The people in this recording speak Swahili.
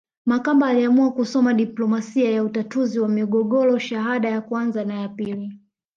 Makamba aliamua kusoma diplomasia ya utatuzi wa migogoro shahada ya kwanza na ya pili